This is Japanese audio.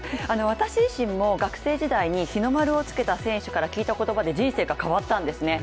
私自身も学生時代に日の丸をつけた選手の聞いた言葉で人生が変わったんですね。